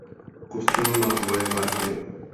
Kostel má dvoje varhany.